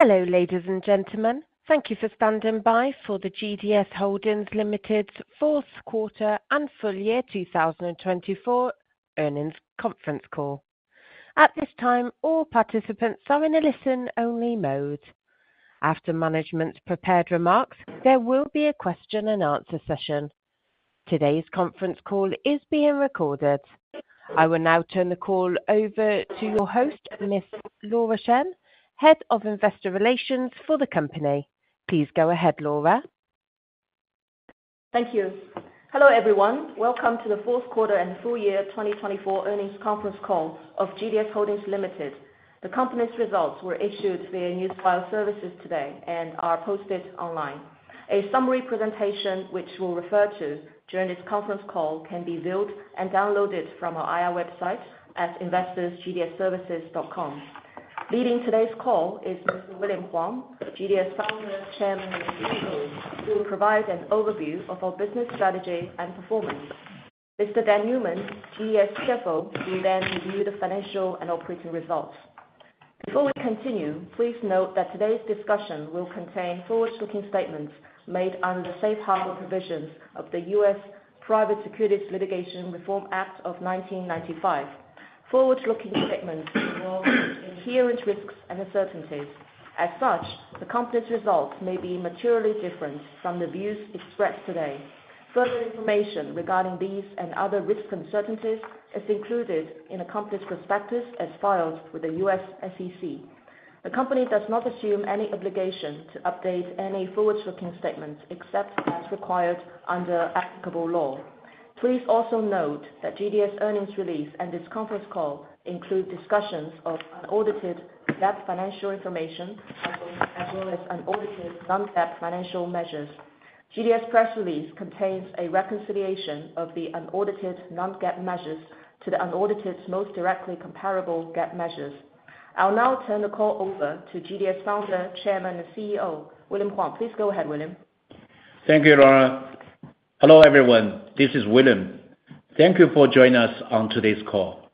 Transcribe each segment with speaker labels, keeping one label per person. Speaker 1: Hello, ladies and gentlemen. Thank you for standing by for the GDS Holdings Limited's fourth quarter and full year 2024 earnings conference call. At this time, all participants are in a listen-only mode. After management's prepared remarks, there will be a question-and-answer session. Today's conference call is being recorded. I will now turn the call over to your host, Miss Laura Chen, Head of Investor Relations for the company. Please go ahead, Laura.
Speaker 2: Thank you. Hello, everyone. Welcome to the fourth quarter and full year 2024 earnings conference call of GDS Holdings Limited. The company's results were issued via NewsFile Services today and are posted online. A summary presentation, which we'll refer to during this conference call, can be viewed and downloaded from our IR website at investors.gds-services.com. Leading today's call is Mr. William Huang, GDS founder, Chairman, and CEO, who will provide an overview of our business strategy and performance. Mr. Dan Newman, GDS CFO, will then review the financial and operating results. Before we continue, please note that today's discussion will contain forward-looking statements made under the safe harbor provisions of the US Private Securities Litigation Reform Act of 1995. Forward-looking statements involve inherent risks and uncertainties. As such, the company's results may be materially different from the views expressed today. Further information regarding these and other risks and uncertainties is included in accomplished prospectus as filed with the US SEC. The company does not assume any obligation to update any forward-looking statements except as required under applicable law. Please also note that GDS earnings release and this conference call include discussions of unaudited GAAP financial information as well as unaudited non-GAAP financial measures. GDS press release contains a reconciliation of the unaudited non-GAAP measures to the unaudited most directly comparable GAAP measures. I'll now turn the call over to GDS founder, Chairman, and CEO William Huang. Please go ahead, William.
Speaker 3: Thank you, Laura. Hello, everyone. This is William. Thank you for joining us on today's call.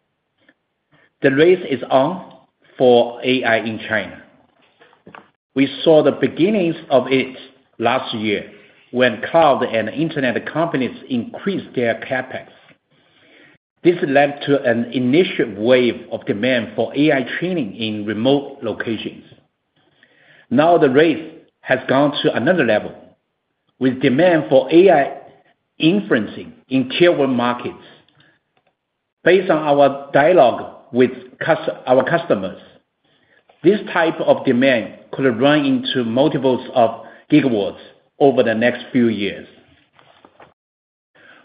Speaker 3: The race is on for AI in China. We saw the beginnings of it last year when cloud and internet companies increased their CapEx. This led to an initial wave of demand for AI training in remote locations. Now the race has gone to another level with demand for AI inferencing in Tier 1 markets. Based on our dialogue with our customers, this type of demand could run into multiples of gigawatts over the next few years.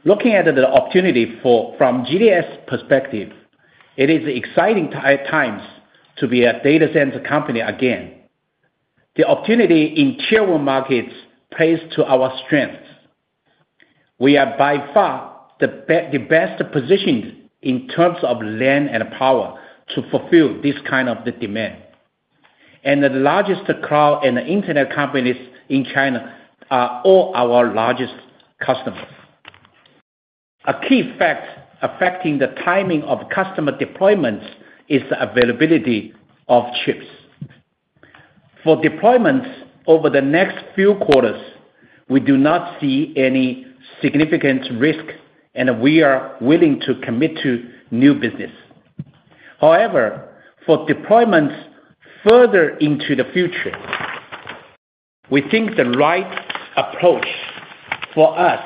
Speaker 3: Looking at the opportunity from GDS perspective, it is exciting times to be a data center company again. The opportunity in Tier 1 markets plays to our strengths. We are by far the best positioned in terms of land and power to fulfill this kind of demand. The largest cloud and internet companies in China are all our largest customers. A key fact affecting the timing of customer deployments is the availability of chips. For deployments over the next few quarters, we do not see any significant risk, and we are willing to commit to new business. However, for deployments further into the future, we think the right approach for us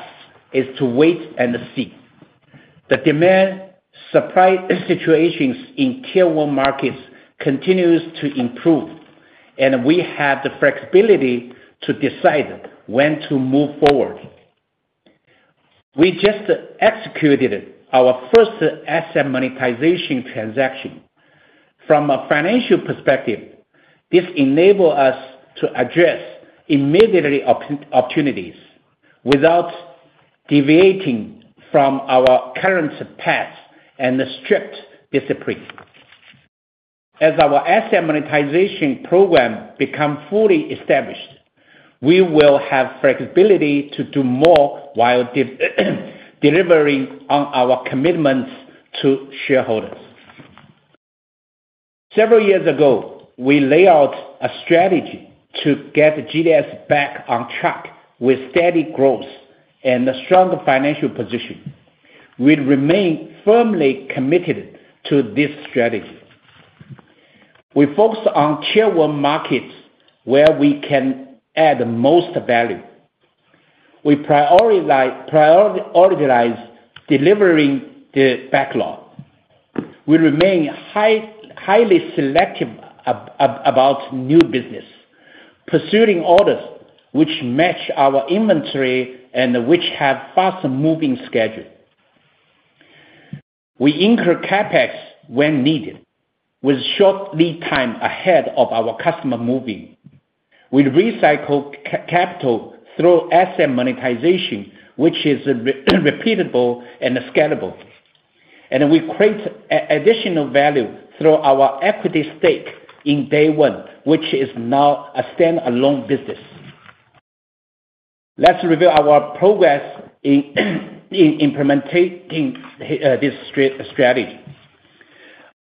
Speaker 3: is to wait and see. The demand situations in Tier 1 markets continue to improve, and we have the flexibility to decide when to move forward. We just executed our first asset monetization transaction. From a financial perspective, this enables us to address immediately opportunities without deviating from our current path and strict discipline. As our asset monetization program becomes fully established, we will have flexibility to do more while delivering on our commitments to shareholders. Several years ago, we laid out a strategy to get GDS back on track with steady growth and a strong financial position. We remain firmly committed to this strategy. We focus on Tier 1 markets where we can add the most value. We prioritize delivering the backlog. We remain highly selective about new business, pursuing orders which match our inventory and which have fast-moving schedules. We incur CapEx when needed with short lead time ahead of our customer moving. We recycle capital through asset monetization, which is repeatable and scalable. We create additional value through our equity stake in DayOne, which is now a standalone business. Let's review our progress in implementing this strategy.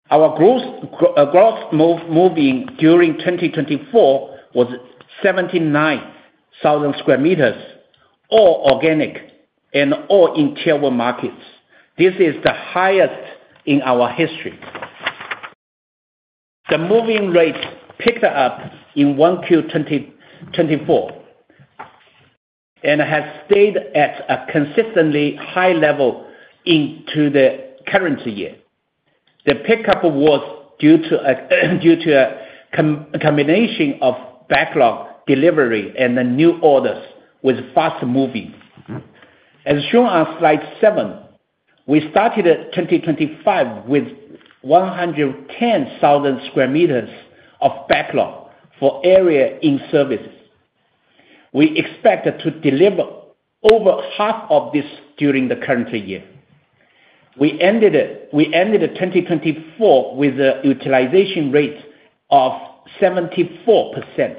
Speaker 3: Our gross moving during 2024 was 79,000 sq m, all organic and all in Tier 1 markets. This is the highest in our history. The moving rate picked up in 1Q 2024 and has stayed at a consistently high level into the current year. The pickup was due to a combination of backlog delivery and new orders with fast moving. As shown on slide seven, we started 2025 with 110,000 sq m of backlog for area in services. We expect to deliver over half of this during the current year. We ended 2024 with a utilization rate of 74%.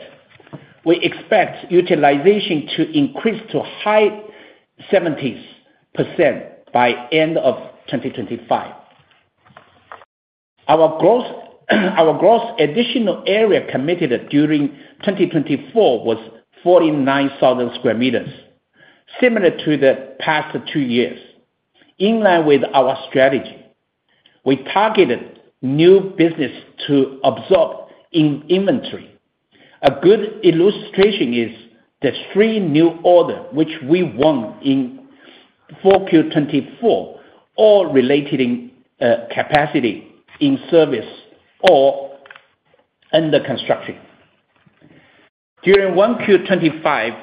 Speaker 3: We expect utilization to increase to high 70% by the end of 2025. Our gross additional area committed during 2024 was 49,000 sq m, similar to the past two years. In line with our strategy, we targeted new business to absorb in inventory. A good illustration is the three new orders which we won in 4Q 2024, all related in capacity in service or under construction. During 1Q 2025,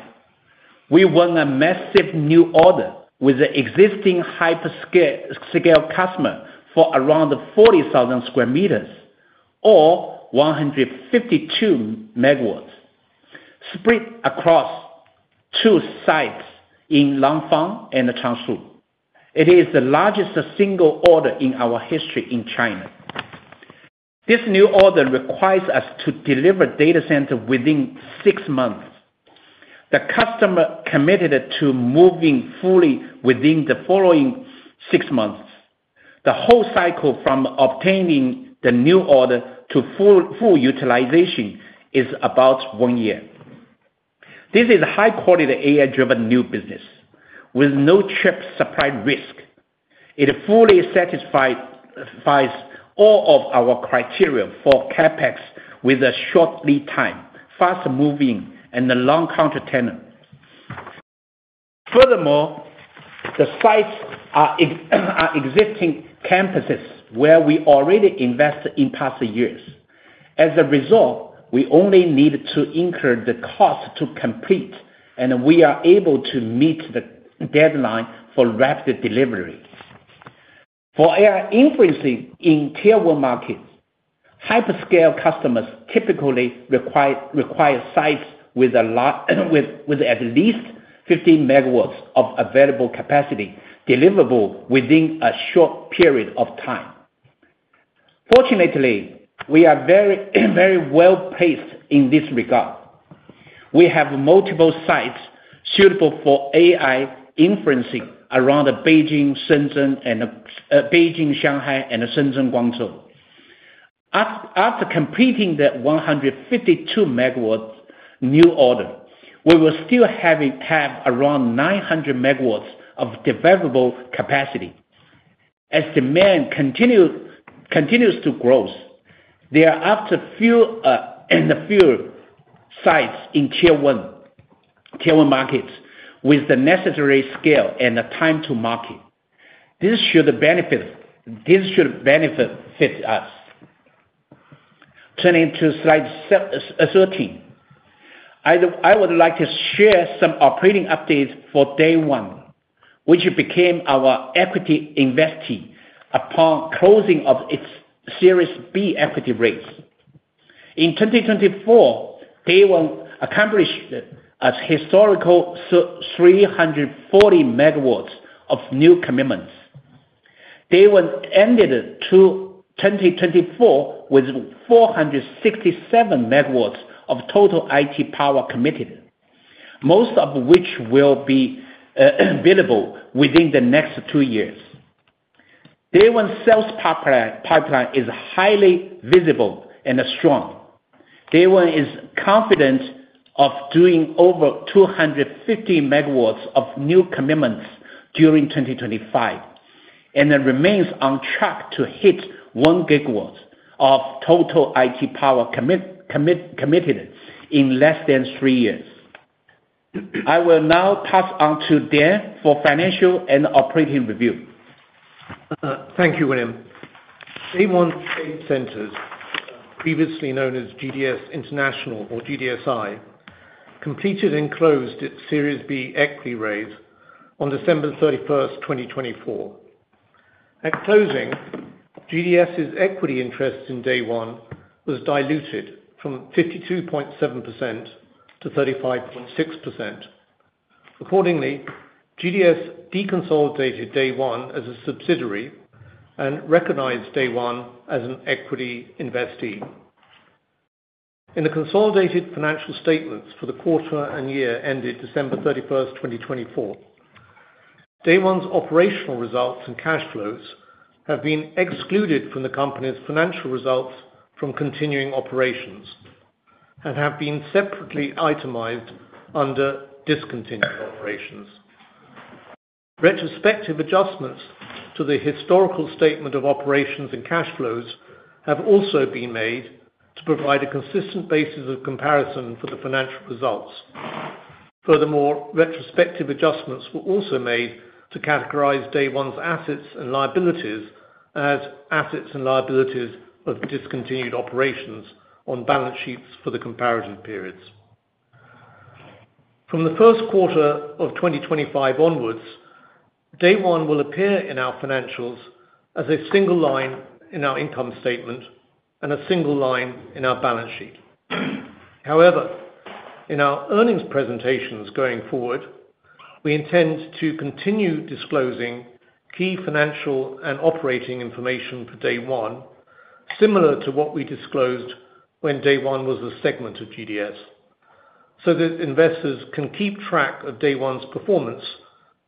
Speaker 3: we won a massive new order with an existing hyperscale customer for around 40,000 sq m or 152 MW, split across two sites in Langfang and Changshu. It is the largest single order in our history in China. This new order requires us to deliver data center within six months. The customer committed to moving fully within the following six months. The whole cycle from obtaining the new order to full utilization is about one year. This is a high-quality AI-driven new business with no chip supply risk. It fully satisfies all of our criteria for CapEx with a short lead time, fast move-in, and a long counter tenant. Furthermore, the sites are existing campuses where we already invested in past years. As a result, we only need to incur the cost to complete, and we are able to meet the deadline for rapid delivery. For AI inferencing in Tier 1 markets, hyperscale customers typically require sites with at least 15 MW of available capacity deliverable within a short period of time. Fortunately, we are very well placed in this regard. We have multiple sites suitable for AI inferencing around Beijing, Shanghai, and Shenzhen, Guangzhou. After completing the 152 MW new order, we will still have around 900 MW of deliverable capacity. As demand continues to grow, there are up to a few sites in Tier 1 markets with the necessary scale and time to market. This should benefit us. Turning to slide 13, I would like to share some operating updates for DayOne, which became our equity investment upon closing of its Series B equity raise. In 2024, DayOne accomplished a historical 340 MW of new commitments. DayOne ended 2024 with 467 MW of total IT power committed, most of which will be billable within the next two years. DayOne's sales pipeline is highly visible and strong. DayOne is confident of doing over 250 MW of new commitments during 2025 and remains on track to hit 1 GW of total IT power committed in less than three years. I will now pass on to Dan for financial and operating review.
Speaker 4: Thank you, William. DayOne Data Centers, previously known as GDS International or GDSI, completed and closed its Series B equity raise on December 31st, 2024. At closing, GDS's equity interest in DayOne was diluted from 52.7% to 35.6%. Accordingly, GDS deconsolidated DayOne as a subsidiary and recognized DayOne as an equity investee. In the consolidated financial statements for the quarter and year ended December 31st, 2024, DayOne's operational results and cash flows have been excluded from the company's financial results from continuing operations and have been separately itemized under discontinued operations. Retrospective adjustments to the historical statement of operations and cash flows have also been made to provide a consistent basis of comparison for the financial results. Furthermore, retrospective adjustments were also made to categorize DayOne's assets and liabilities as assets and liabilities of discontinued operations on balance sheets for the comparison periods. From the first quarter of 2025 onwards, DayOne will appear in our financials as a single line in our income statement and a single line in our balance sheet. However, in our earnings presentations going forward, we intend to continue disclosing key financial and operating information for DayOne, similar to what we disclosed when DayOne was a segment of GDS so that investors can keep track of DayOne's performance and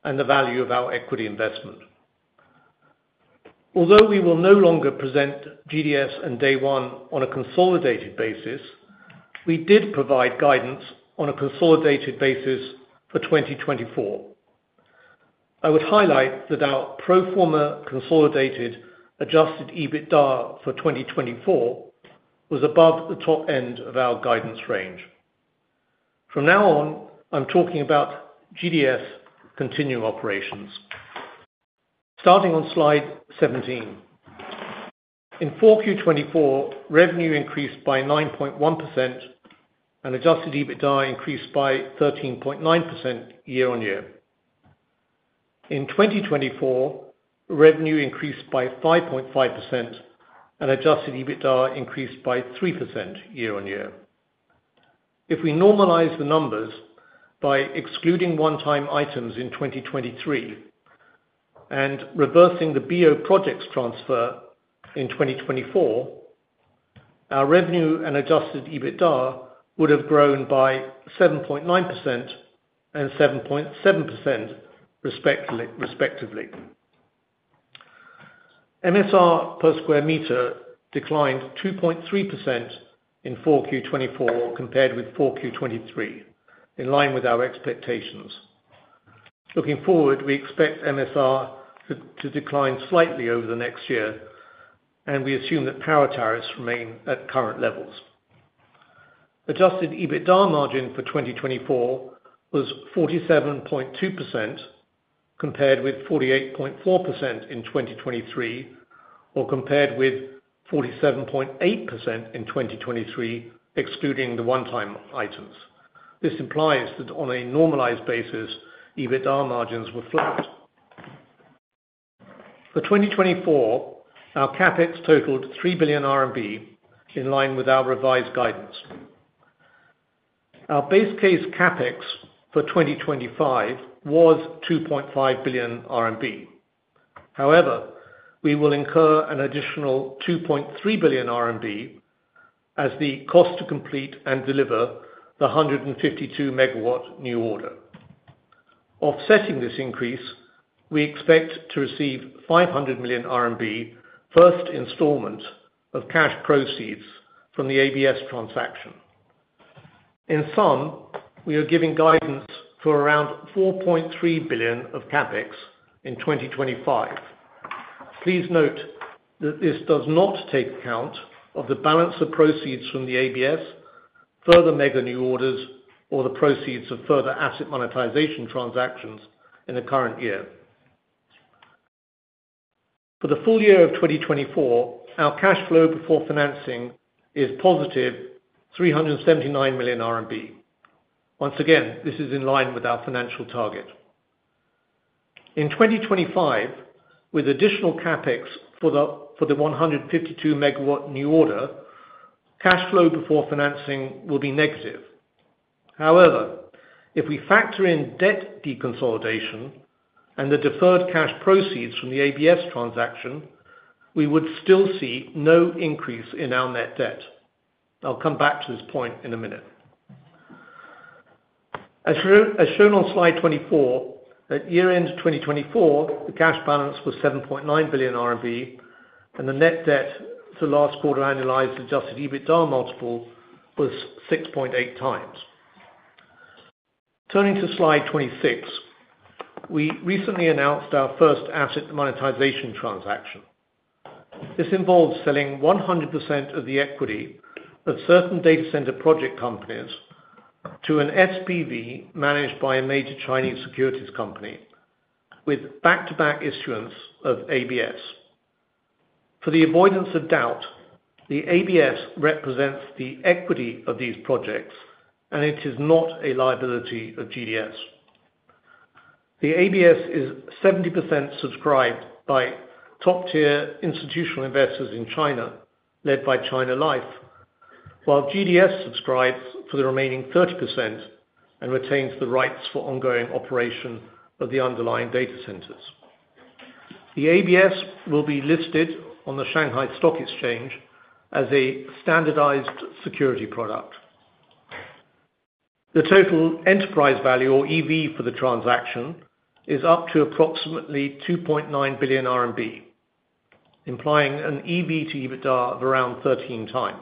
Speaker 4: the value of our equity investment. Although we will no longer present GDS and DayOne on a consolidated basis, we did provide guidance on a consolidated basis for 2024. I would highlight that our pro forma consolidated adjusted EBITDA for 2024 was above the top end of our guidance range. From now on, I'm talking about GDS continuing operations. Starting on slide 17, in 4Q 2024, revenue increased by 9.1% and adjusted EBITDA increased by 13.9% year-on-year. In 2024, revenue increased by 5.5% and adjusted EBITDA increased by 3% year-on-year. If we normalize the numbers by excluding one-time items in 2023 and reversing the BO projects transfer in 2024, our revenue and adjusted EBITDA would have grown by 7.9% and 7.7% respectively. MSR per square meter declined 2.3% in 4Q 2024 compared with 4Q 2023, in line with our expectations. Looking forward, we expect MSR to decline slightly over the next year, and we assume that power tariffs remain at current levels. Adjusted EBITDA margin for 2024 was 47.2% compared with 48.4% in 2023 or compared with 47.8% in 2023, excluding the one-time items. This implies that on a normalized basis, EBITDA margins were. For 2024, our CapEx totaled 3 billion RMB, in line with our revised guidance. Our base case CapEx for 2025 was 2.5 billion RMB. However, we will incur an additional 2.3 billion RMB as the cost to complete and deliver the 152 MW new order. Offsetting this increase, we expect to receive 500 million RMB first installment of cash proceeds from the ABS transaction. In sum, we are giving guidance for around 4.3 billion of CapEx in 2025. Please note that this does not take account of the balance of proceeds from the ABS, further mega new orders, or the proceeds of further asset monetization transactions in the current year. For the full year of 2024, our cash flow before financing is positive 379 million RMB. Once again, this is in line with our financial target. In 2025, with additional CapEx for the 152 MW new order, cash flow before financing will be negative. However, if we factor in debt deconsolidation and the deferred cash proceeds from the ABS transaction, we would still see no increase in our net debt. I'll come back to this point in a minute. As shown on slide 24, at year-end 2024, the cash balance was 7.9 billion RMB, and the net debt to last quarter annualized adjusted EBITDA multiple was 6.8x. Turning to slide 26, we recently announced our first asset monetization transaction. This involves selling 100% of the equity of certain data center project companies to an SPV managed by a major Chinese securities company with back-to-back issuance of ABS. For the avoidance of doubt, the ABS represents the equity of these projects, and it is not a liability of GDS. The ABS is 70% subscribed by top-tier institutional investors in China, led by China Life, while GDS subscribes for the remaining 30% and retains the rights for ongoing operation of the underlying data centers. The ABS will be listed on the Shanghai Stock Exchange as a standardized security product. The total enterprise value or EV for the transaction is up to approximately 2.9 billion RMB, implying an EV to EBITDA of around 13x.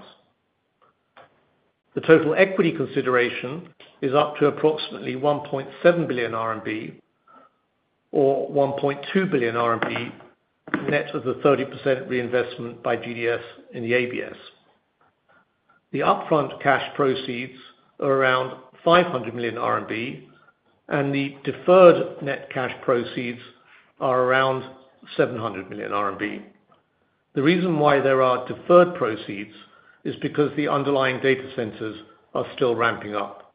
Speaker 4: The total equity consideration is up to approximately 1.7 billion RMB or 1.2 billion RMB, net of the 30% reinvestment by GDS in the ABS. The upfront cash proceeds are around 500 million RMB, and the deferred net cash proceeds are around 700 million RMB. The reason why there are deferred proceeds is because the underlying data centers are still ramping up.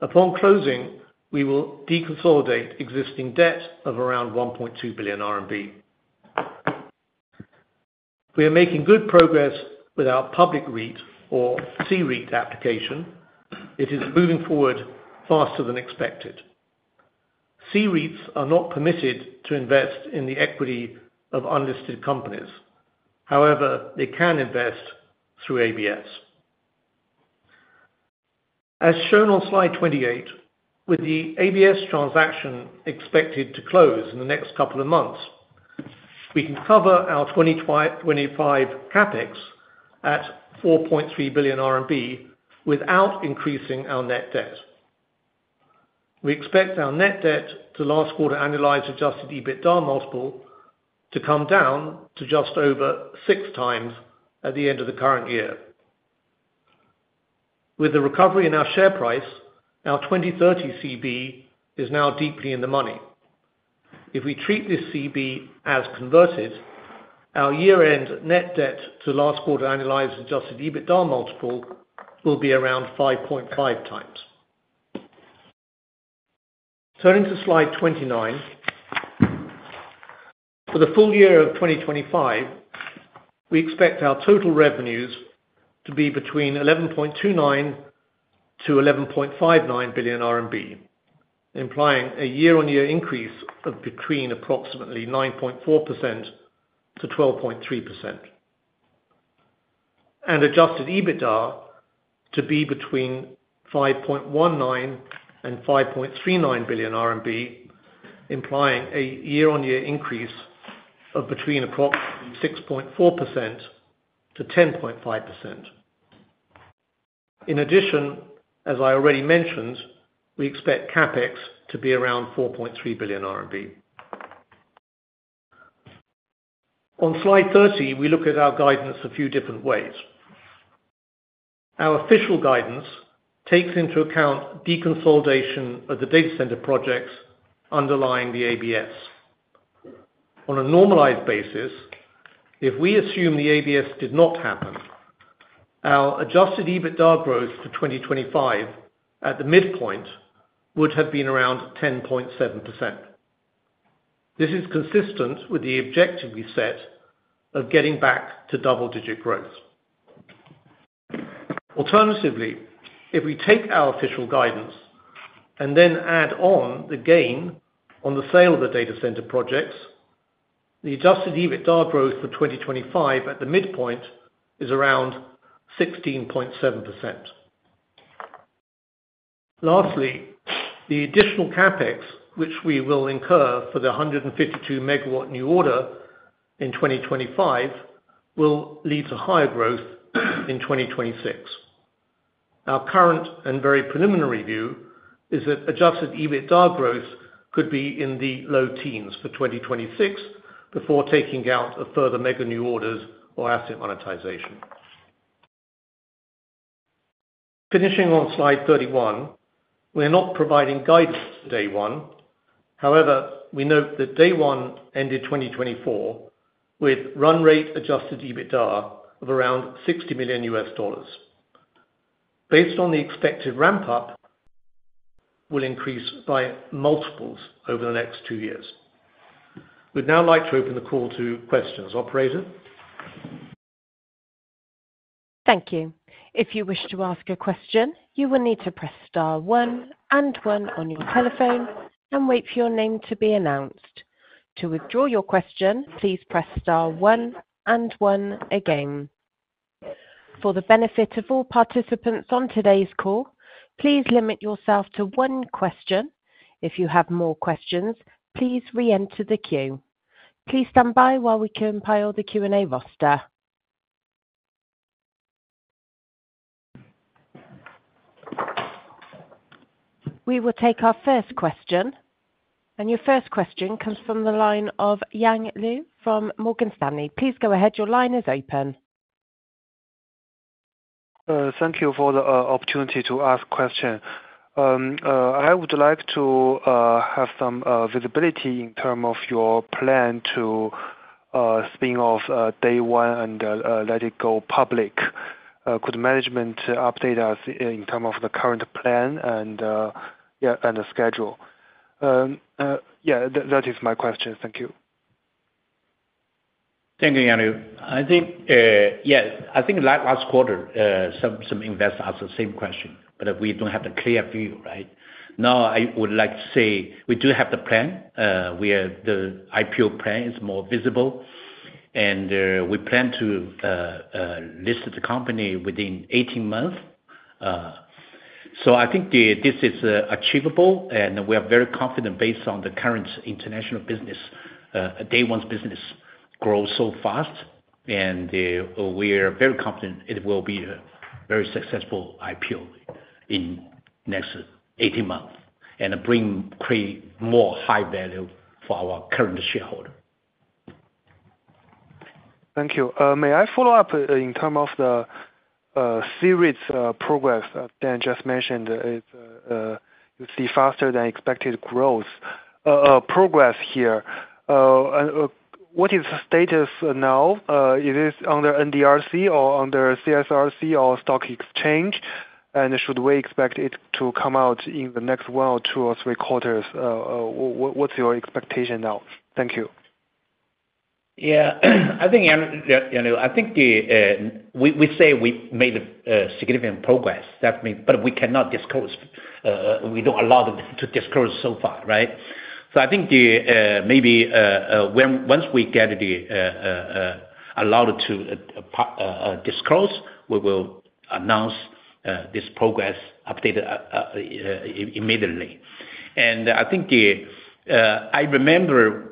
Speaker 4: Upon closing, we will deconsolidate existing debt of around 1.2 billion RMB. We are making good progress with our public REIT or C-REIT application. It is moving forward faster than expected. C-REITs are not permitted to invest in the equity of unlisted companies. However, they can invest through ABS. As shown on slide 28, with the ABS transaction expected to close in the next couple of months, we can cover our 2025 CapEx at 4.3 billion RMB without increasing our net debt. We expect our net debt to last quarter annualized adjusted EBITDA multiple to come down to just over 6x at the end of the current year. With the recovery in our share price, our 2030 CB is now deeply in the money. If we treat this CB as converted, our year-end net debt to last quarter annualized adjusted EBITDA multiple will be around 5.5x. Turning to slide 29, for the full year of 2025, we expect our total revenues to be between 11.29 billion-11.59 billion RMB, implying a year-on-year increase of between approximately 9.4%-12.3%, and adjusted EBITDA to be between 5.19 billion-5.39 billion RMB, implying a year-on-year increase of between approximately 6.4%-10.5%. In addition, as I already mentioned, we expect CapEx to be around 4.3 billion RMB. On slide 30, we look at our guidance a few different ways. Our official guidance takes into account deconsolidation of the data center projects underlying the ABS. On a normalized basis, if we assume the ABS did not happen, our adjusted EBITDA growth for 2025 at the midpoint would have been around 10.7%. This is consistent with the objective we set of getting back to double-digit growth. Alternatively, if we take our official guidance and then add on the gain on the sale of the data center projects, the adjusted EBITDA growth for 2025 at the midpoint is around 16.7%. Lastly, the additional CapEx, which we will incur for the 152 MW new order in 2025, will lead to higher growth in 2026. Our current and very preliminary view is that adjusted EBITDA growth could be in the low teens for 2026 before taking out a further mega new orders or asset monetization. Finishing on slide 31, we are not providing guidance for DayOne. However, we note that DayOne ended 2024 with run rate adjusted EBITDA of around $60 million. Based on the expected ramp-up, will increase by multiples over the next two years. We'd now like to open the call to questions. Operator.
Speaker 1: Thank you. If you wish to ask a question, you will need to press star one and one on your telephone and wait for your name to be announced. To withdraw your question, please press star one and one again. For the benefit of all participants on today's call, please limit yourself to one question. If you have more questions, please re-enter the queue. Please stand by while we compile the Q&A roster. We will take our first question. Your first question comes from the line of Yang Liu from Morgan Stanley. Please go ahead. Your line is open.
Speaker 5: Thank you for the opportunity to ask a question. I would like to have some visibility in terms of your plan to spin off DayOne and let it go public. Could management update us in terms of the current plan and schedule? Yeah, that is my question. Thank you.
Speaker 3: Thank you, Yang Liu. I think, yes, I think last quarter, some investors asked the same question, but we don't have the clear view, right? Now, I would like to say we do have the plan where the IPO plan is more visible, and we plan to list the company within 18 months. I think this is achievable, and we are very confident based on the current international business, DayOne's business grows so fast, and we are very confident it will be a very successful IPO in the next 18 months and create more high value for our current shareholder.
Speaker 5: Thank you. May I follow up in terms of the C-REIT progress Dan just mentioned? You see faster than expected growth progress here. What is the status now? Is it under NDRC or under CSRC or Stock Exchange? Should we expect it to come out in the next one or two or three quarters? What's your expectation now? Thank you.
Speaker 3: Yeah. I think, Yang Liu, I think we say we made significant progress, but we cannot disclose. We do not allow them to disclose so far, right? I think maybe once we get allowed to disclose, we will announce this progress updated immediately. I think I remember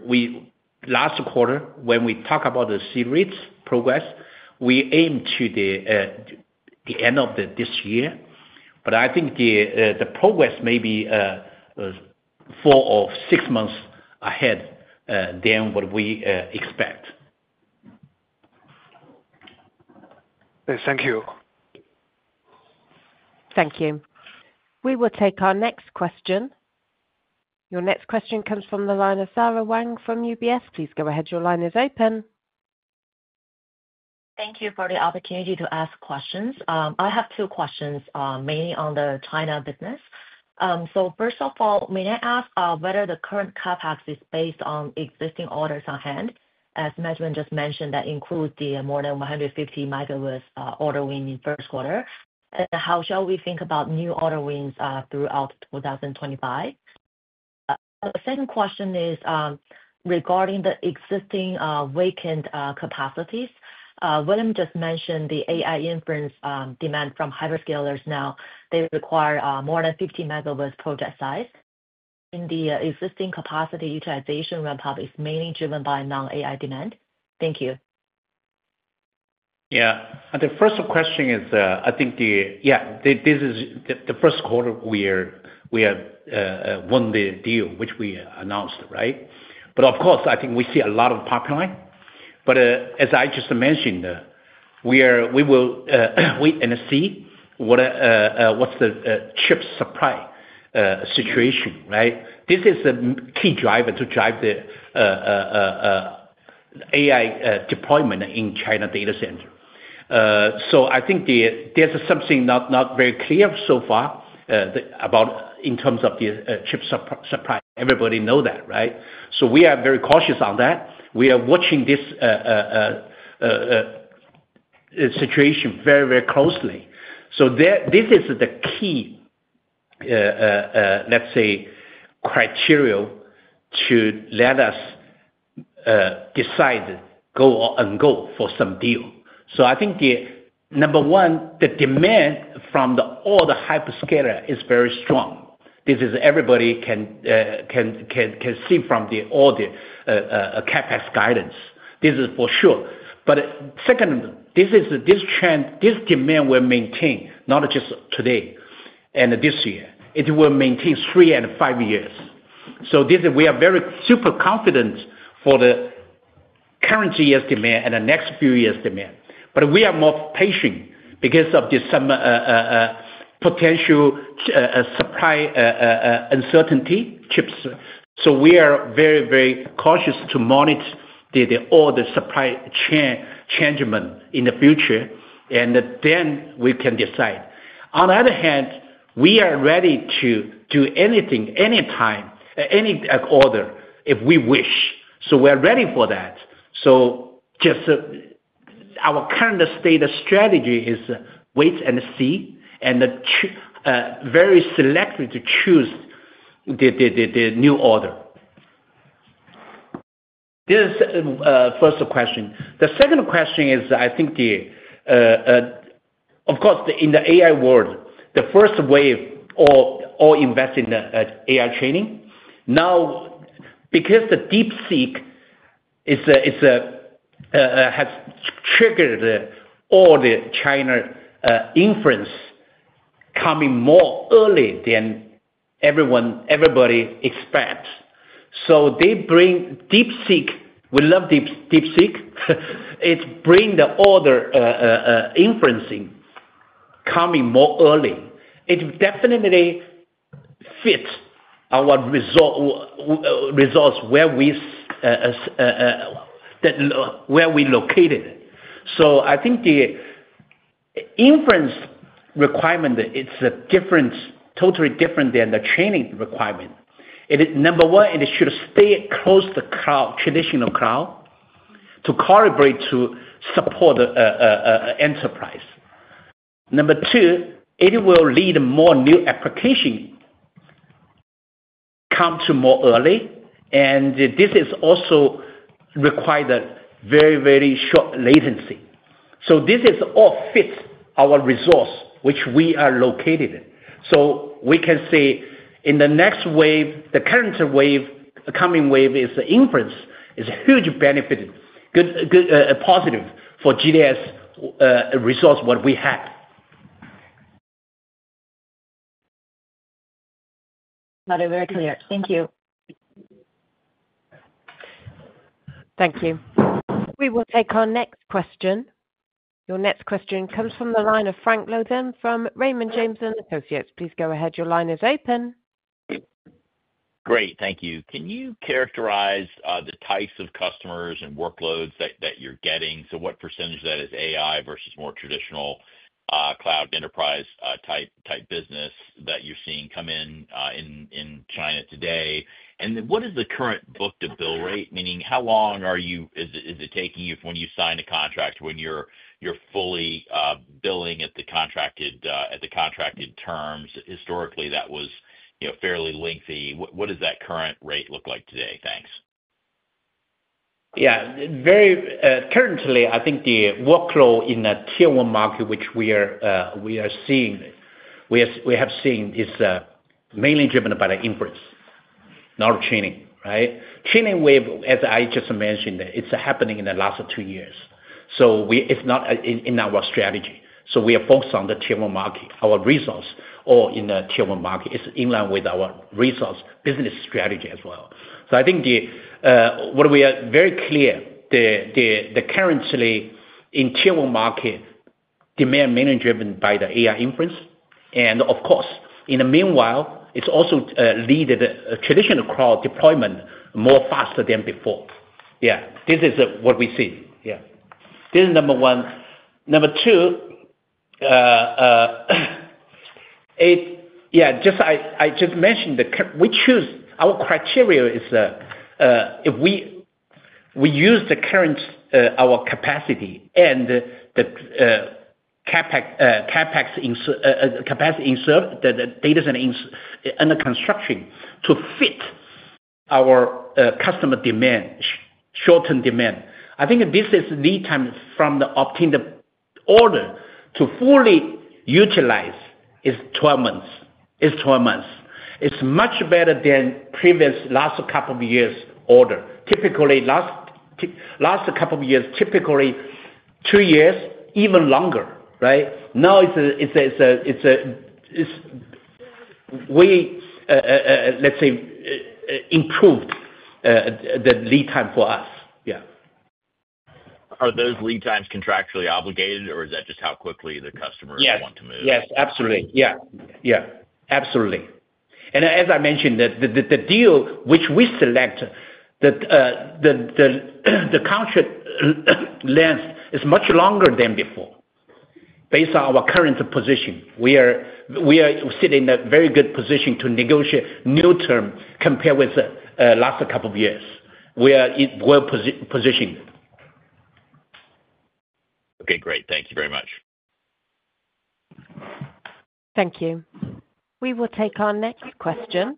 Speaker 3: last quarter when we talked about the C-REIT progress, we aimed to the end of this year, but I think the progress may be four or six months ahead than what we expect.
Speaker 5: Thank you.
Speaker 1: Thank you. We will take our next question. Your next question comes from the line of Sara Wang from UBS. Please go ahead. Your line is open.
Speaker 6: Thank you for the opportunity to ask questions. I have two questions mainly on the China business. First of all, may I ask whether the current CapEx is based on existing orders on hand? As management just mentioned, that includes the more than 150 MW order win in the first quarter. How shall we think about new order wins throughout 2025? The second question is regarding the existing vacant capacities. William just mentioned the AI inference demand from hyperscalers now. They require more than 50 MW project size. In the existing capacity utilization ramp-up, is it mainly driven by non-AI demand? Thank you.
Speaker 3: Yeah. The first question is, I think, yeah, this is the first quarter we have won the deal, which we announced, right? Of course, I think we see a lot of pipeline. As I just mentioned, we will wait and see what is the chip supply situation, right? This is a key driver to drive the AI deployment in China data center. I think there is something not very clear so far in terms of the chip supply. Everybody knows that, right? We are very cautious on that. We are watching this situation very, very closely. This is the key, let's say, criteria to let us decide and go for some deal. I think, number one, the demand from all the hyperscalers is very strong. This is everybody can see from all the CapEx guidance. This is for sure. Second, this demand will maintain not just today and this year. It will maintain three and five years. We are very super confident for the current year's demand and the next few years' demand. We are more patient because of the potential supply uncertainty, chips. We are very, very cautious to monitor all the supply change in the future, and then we can decide. On the other hand, we are ready to do anything, any time, any order if we wish. We are ready for that. Our current state of strategy is wait and see and very selective to choose the new order. This is the first question. The second question is, I think, of course, in the AI world, the first wave all invest in AI training. Now, because the DeepSeek has triggered all the China inference coming more early than everybody expects. They bring DeepSeek; we love DeepSeek. It brings the order inferencing coming more early. It definitely fits our results where we located. I think the inference requirement is totally different than the training requirement. Number one, it should stay close to the traditional cloud to corroborate to support enterprise. Number two, it will lead more new applications come to more early, and this also requires very, very short latency. This all fits our resource, which we are located. We can say in the next wave, the current wave, the coming wave is inference is a huge benefit, positive for GDS resource what we have.
Speaker 6: Not very clear. Thank you.
Speaker 1: Thank you. We will take our next question. Your next question comes from the line of Frank Louthan from Raymond James & Associates. Please go ahead. Your line is open.
Speaker 7: Great. Thank you. Can you characterize the types of customers and workloads that you're getting? What percentage of that is AI versus more traditional cloud enterprise-type business that you're seeing come in China today? What is the current book-to-bill rate? Meaning, how long is it taking you when you sign a contract when you're fully billing at the contracted terms? Historically, that was fairly lengthy. What does that current rate look like today? Thanks.
Speaker 3: Yeah. Currently, I think the workload in the Tier 1 market, which we are seeing, we have seen, is mainly driven by the inference, not training, right? Training wave, as I just mentioned, it's happening in the last two years. It is not in our strategy. We are focused on the Tier 1 market. Our resource all in the Tier 1 market is in line with our resource business strategy as well. I think what we are very clear, currently in Tier 1 market, demand mainly driven by the AI inference. Of course, in the meanwhile, it is also leading the traditional cloud deployment more faster than before. Yeah. This is what we see. Yeah. This is number one. Number two, yeah, I just mentioned that we choose our criteria is if we use the current our capacity and the CapEx capacity in data center under construction to fit our customer demand, short-term demand. I think this is lead time from the obtained order to fully utilize is 12 months. It's 12 months. It's much better than previous last couple of years' order. Typically, last couple of years, typically two years, even longer, right? Now it's a, let's say, improved the lead time for us. Yeah.
Speaker 7: Are those lead times contractually obligated, or is that just how quickly the customer wants to move?
Speaker 3: Yes. Absolutely. Yeah. Absolutely. As I mentioned, the deal which we select, the contract length is much longer than before based on our current position. We are sitting in a very good position to negotiate new term compared with the last couple of years. We are well positioned.
Speaker 7: Okay. Great. Thank you very much.
Speaker 1: Thank you. We will take our next question.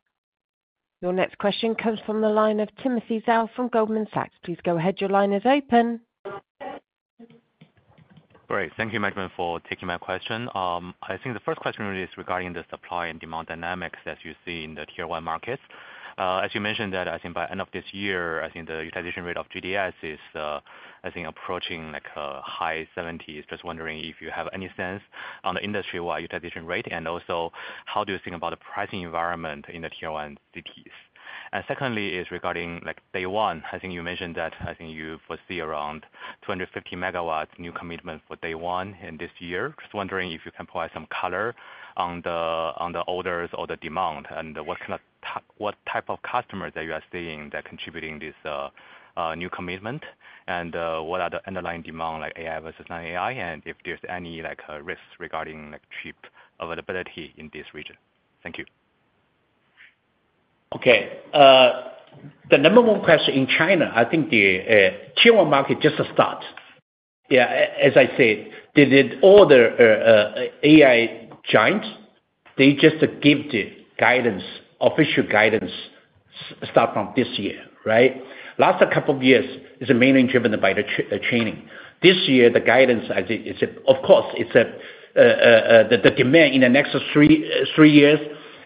Speaker 1: Your next question comes from the line of Timothy Zhao from Goldman Sachs. Please go ahead. Your line is open.
Speaker 8: Great. Thank you, management, for taking my question. I think the first question really is regarding the supply and demand dynamics that you see in the Tier 1 markets. As you mentioned that, I think by end of this year, I think the utilization rate of GDS is, I think, approaching high 70s%. Just wondering if you have any sense on the industry-wide utilization rate, and also how do you think about the pricing environment in the Tier 1 cities? Secondly is regarding DayOne. I think you mentioned that I think you foresee around 250 MW new commitment for DayOne in this year. Just wondering if you can provide some color on the orders or the demand and what type of customers that you are seeing that contributing this new commitment, and what are the underlying demand like AI versus non-AI, and if there's any risks regarding chip availability in this region. Thank you.
Speaker 3: Okay. The number one question in China, I think the Tier 1 market just starts. Yeah. As I said, all the AI giants, they just give the guidance, official guidance start from this year, right? Last couple of years is mainly driven by the training. This year, the guidance, of course, the demand in the next three years,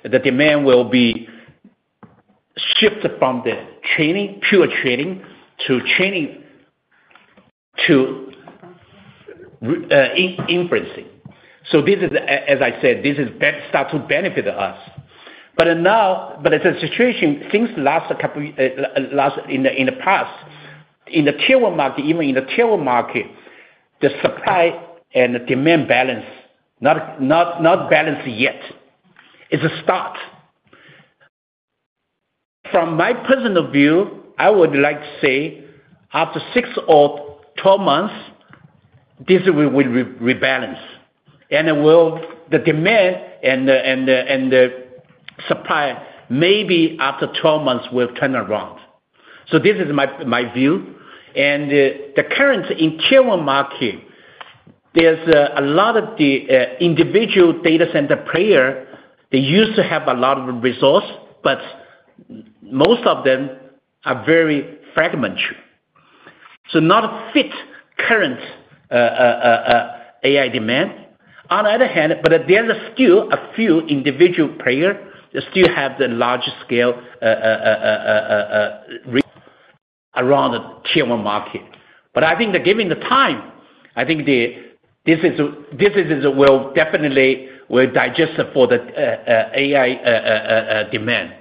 Speaker 3: the demand will be shifted from the training, pure training, to training to inferencing. As I said, this is start to benefit us. The situation since last couple in the past, in the Tier 1 market, even in the Tier 1 market, the supply and demand balance, not balanced yet. It's a start. From my personal view, I would like to say after six or 12 months, this will rebalance. The demand and the supply maybe after 12 months will turn around. This is my view. The current Tier 1 market has a lot of individual data center players. They used to have a lot of resources, but most of them are very fragmented, so not fit for current AI demand. On the other hand, there are still a few individual players that still have large-scale around the Tier 1 market. I think given the time, this will definitely digest for the AI demand.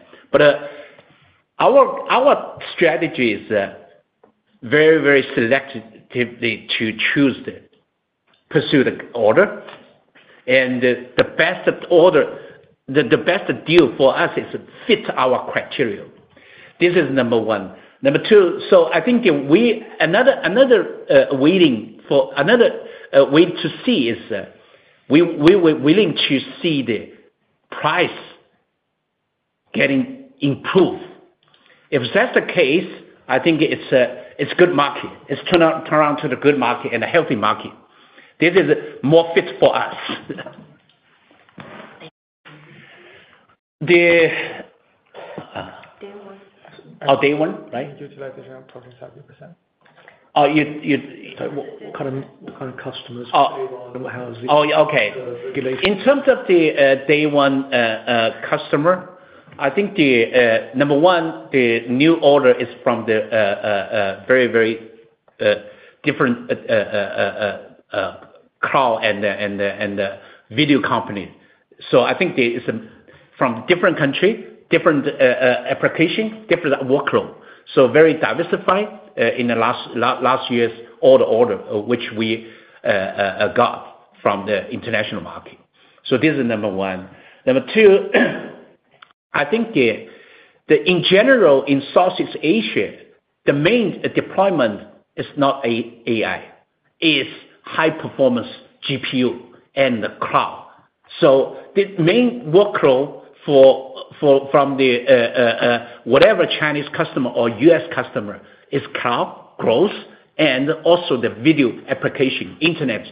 Speaker 3: Our strategy is very, very selective to choose to pursue the order. The best order, the best deal for us, is fit to our criteria. This is number one. Number two, another way to see it is we're willing to see the price getting improved. If that's the case, I think it's a good market. It's turned around to a good market and a healthy market. This is more fit for us. Oh, DayOne, right?
Speaker 4: Utilization of 47%. What kind of customers? DayOne.
Speaker 3: Oh, okay. In terms of the DayOne customer, I think number one, the new order is from the very, very different cloud and video company. I think it is from different country, different application, different workload. Very diversified in the last year's order, which we got from the international market. This is number one. Number two, I think in general, in Southeast Asia, the main deployment is not AI. It is high-performance GPU and the cloud. The main workload from whatever Chinese customer or US customer is cloud growth, and also the video application, internet.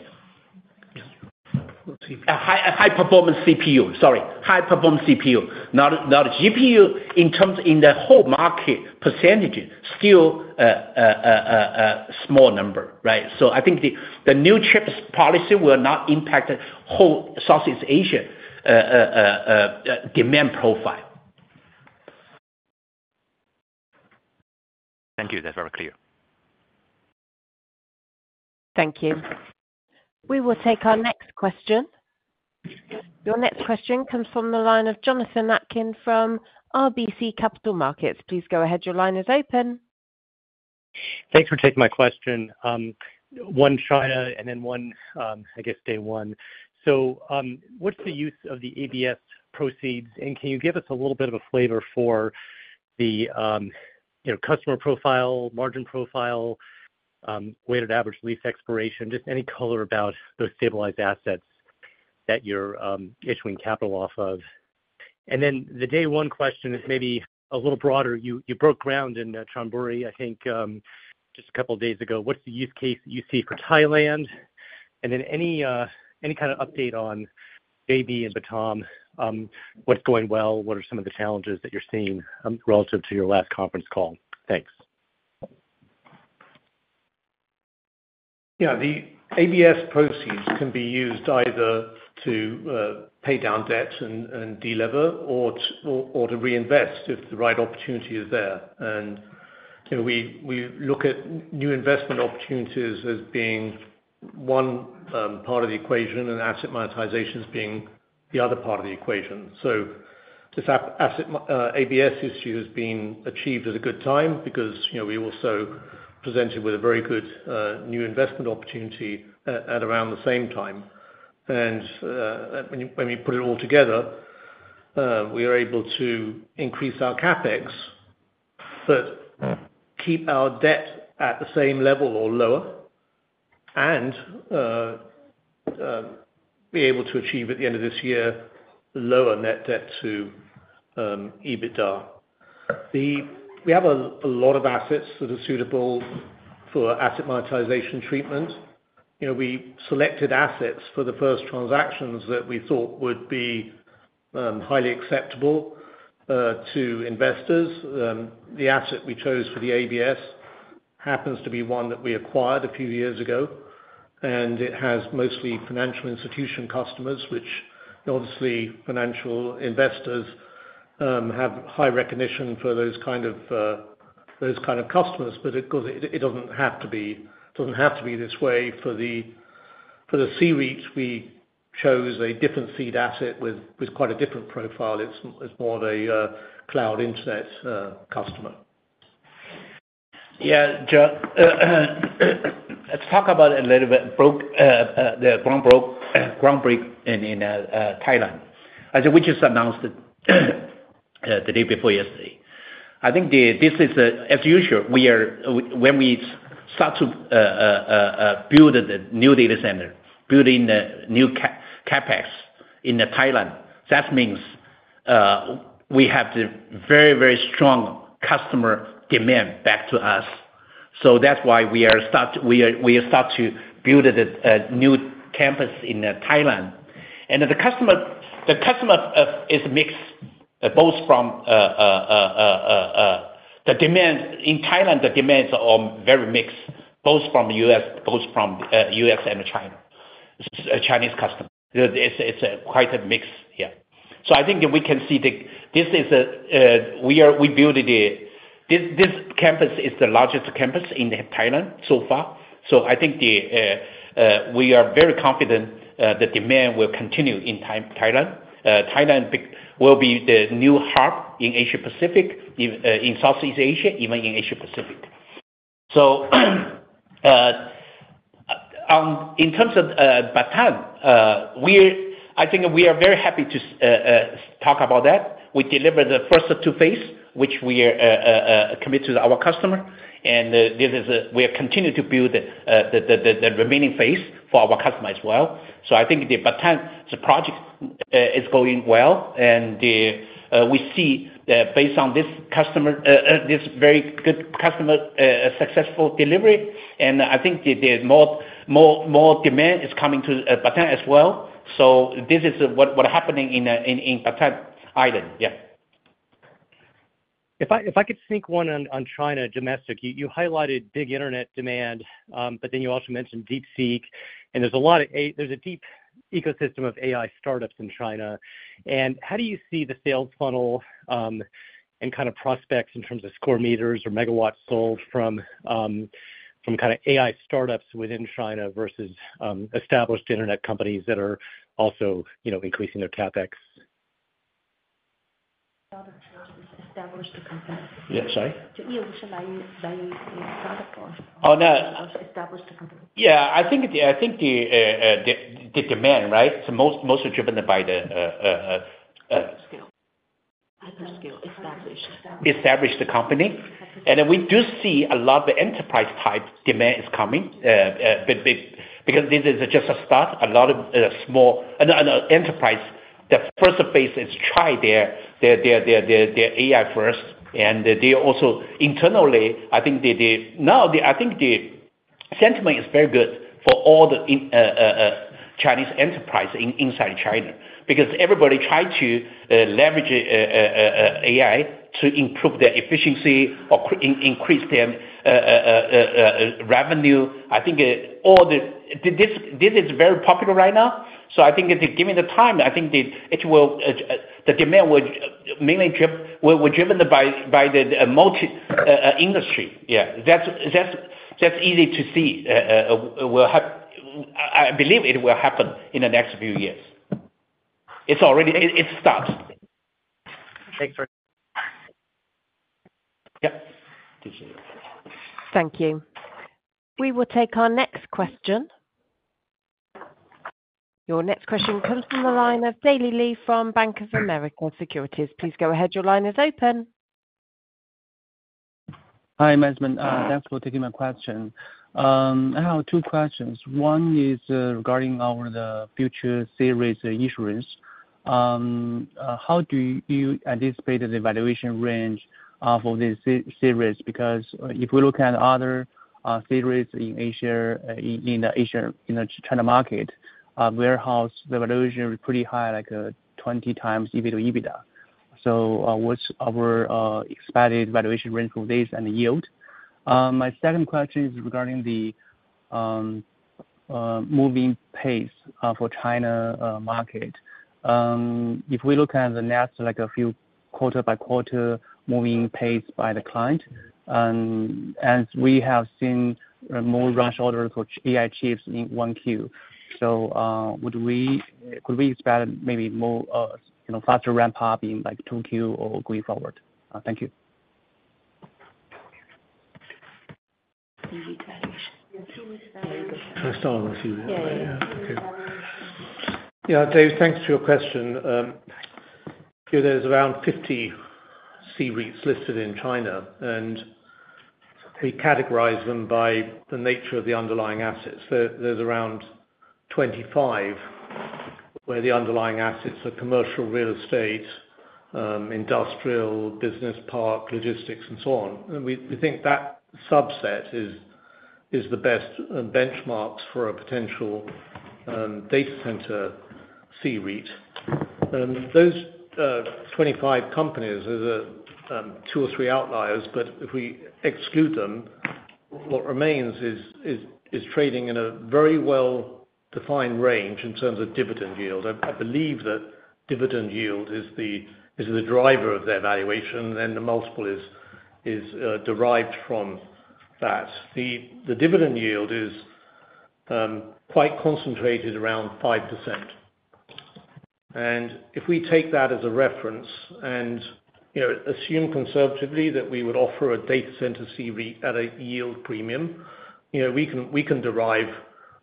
Speaker 3: High-performance CPU, sorry. High-performance CPU. Now, the GPU in the whole market percentage is still a small number, right? I think the new chip's policy will not impact whole Southeast Asia demand profile.
Speaker 8: Thank you. That's very clear.
Speaker 1: Thank you. We will take our next question. Your next question comes from the line of Jonathan Atkin from RBC Capital Markets. Please go ahead. Your line is open.
Speaker 9: Thanks for taking my question. One China and then one, I guess, DayOne. What's the use of the ABS proceeds? Can you give us a little bit of a flavor for the customer profile, margin profile, weighted average lease expiration, just any color about those stabilized assets that you're issuing capital off of? The DayOne question is maybe a little broader. You broke ground in Chonburi, I think, just a couple of days ago. What's the use case that you see for Thailand? Any kind of update on JB and Batam? What's going well? What are some of the challenges that you're seeing relative to your last conference call? Thanks.
Speaker 4: Yeah. The ABS proceeds can be used either to pay down debts and deliver or to reinvest if the right opportunity is there. We look at new investment opportunities as being one part of the equation and asset monetization as being the other part of the equation. This ABS issue has been achieved at a good time because we also presented with a very good new investment opportunity at around the same time. When we put it all together, we are able to increase our CapEx, but keep our debt at the same level or lower, and be able to achieve at the end of this year lower net debt to EBITDA. We have a lot of assets that are suitable for asset monetization treatment. We selected assets for the first transactions that we thought would be highly acceptable to investors. The asset we chose for the ABS happens to be one that we acquired a few years ago, and it has mostly financial institution customers, which obviously financial investors have high recognition for those kind of customers. Of course, it doesn't have to be this way. For the C-REITs, we chose a different seed asset with quite a different profile. It's more of a cloud internet customer.
Speaker 3: Yeah. Let's talk about a little bit the groundbreak in Thailand, which is announced the day before yesterday. I think this is, as usual, when we start to build the new data center, building the new CapEx in Thailand, that means we have very, very strong customer demand back to us. That is why we start to build a new campus in Thailand. The customer is mixed both from the demand in Thailand, the demands are very mixed both from US and China. Chinese customers. It's quite a mix. Yeah. I think we can see this is we built this campus is the largest campus in Thailand so far. I think we are very confident the demand will continue in Thailand. Thailand will be the new hub in Asia-Pacific, in Southeast Asia, even in Asia-Pacific. In terms of Batam, I think we are very happy to talk about that. We delivered the first two phases, which we are committed to our customer. We continue to build the remaining phase for our customer as well. I think the Batam project is going well. We see, based on this customer, this very good customer, successful delivery. I think more demand is coming to Batam as well. This is what's happening in Batam Island. Yeah.
Speaker 9: If I could sneak one on China domestic, you highlighted big internet demand, but then you also mentioned DeepSeek. There's a deep ecosystem of AI startups in China. How do you see the sales funnel and kind of prospects in terms of square meters or megawatts sold from AI startups within China versus established internet companies that are also increasing their CapEx?
Speaker 3: Yeah. Sorry? Oh, no. Yeah. I think the demand, right, is mostly driven by the hyperscale.
Speaker 2: Hyperscale. Established.
Speaker 3: Established company. And we do see a lot of enterprise-type demand is coming because this is just a start. A lot of small enterprise, the first phase is try their AI first. And they also internally, I think now I think the sentiment is very good for all the Chinese enterprises inside China because everybody tried to leverage AI to improve their efficiency or increase their revenue. I think this is very popular right now. I think given the time, I think the demand will mainly be driven by the multi-industry. Yeah. That's easy to see. I believe it will happen in the next few years. It's already started.
Speaker 9: Thanks for.
Speaker 3: Yeah.
Speaker 1: Thank you. We will take our next question. Your next question comes from the line of Daley Li from Bank of America Securities. Please go ahead. Your line is open.
Speaker 10: Hi, management. Thanks for taking my question. I have two questions. One is regarding our future series issuance. How do you anticipate the valuation range for this series? Because if we look at other series in Asia, in the China market, warehouse valuation is pretty high, like 20x EV to EBITDA. What's our expected valuation range for this and the yield? My second question is regarding the moving pace for China market. If we look at the next few quarter-by-quarter moving pace by the client, as we have seen more rush orders for AI chips in one Q, could we expect maybe more faster ramp-up in 2Q or going forward? Thank you.
Speaker 4: First of all, let's see.
Speaker 2: Yeah.
Speaker 4: Okay. Yeah. Daley, thanks for your question. There's around 50 C-REITs listed in China, and we categorize them by the nature of the underlying assets. There's around 25 where the underlying assets are commercial real estate, industrial, business park, logistics, and so on. We think that subset is the best benchmarks for a potential data center C-REIT. Those 25 companies there are two or three outliers, but if we exclude them, what remains is trading in a very well-defined range in terms of dividend yield. I believe that dividend yield is the driver of their valuation, and the multiple is derived from that. The dividend yield is quite concentrated around 5%. If we take that as a reference and assume conservatively that we would offer a data center C-REIT at a yield premium, we can derive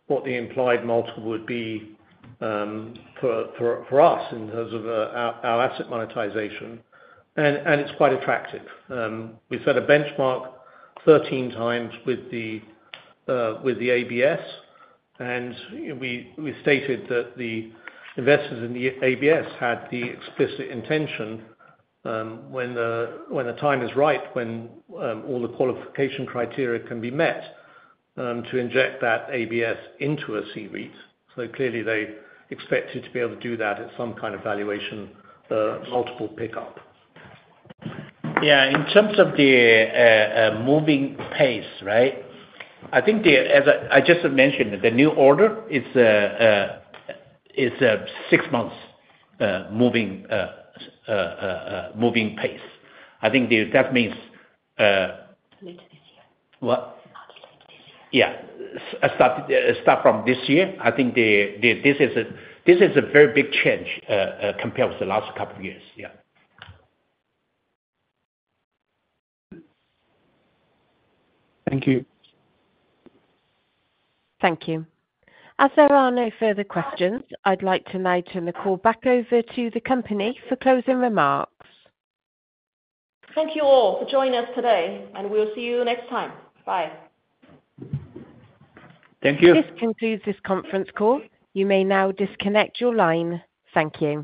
Speaker 4: what the implied multiple would be for us in terms of our asset monetization. It is quite attractive. We set a benchmark 13x with the ABS, and we stated that the investors in the ABS had the explicit intention when the time is right, when all the qualification criteria can be met, to inject that ABS into a C-REIT. Clearly, they expected to be able to do that at some kind of valuation multiple pickup.
Speaker 3: Yeah. In terms of the moving pace, right, I think I just mentioned the new order is a six-month move-in pace. I think that means.
Speaker 2: Not late this year.
Speaker 3: What?
Speaker 2: Not late this year.
Speaker 3: Yeah. Start from this year. I think this is a very big change compared with the last couple of years. Yeah.
Speaker 10: Thank you.
Speaker 1: Thank you. As there are no further questions, I'd like to now turn the call back over to the company for closing remarks. Thank you all for joining us today, and we'll see you next time. Bye.
Speaker 3: Thank you.
Speaker 2: This concludes this conference call. You may now disconnect your line. Thank you.